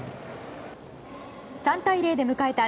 ３対０で迎えた